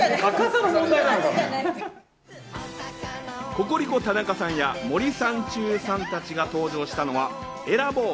ココリコ・田中さんや森三中さん達が登場したのは、選ぼう！